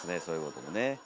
そういうこともね。